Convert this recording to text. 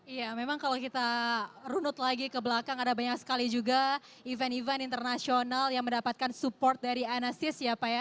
iya memang kalau kita runut lagi ke belakang ada banyak sekali juga event event internasional yang mendapatkan support dari inas ya pak ya